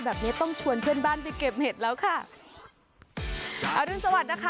แบบนี้ต้องชวนเพื่อนบ้านไปเก็บเห็ดแล้วค่ะอรุณสวัสดิ์นะคะ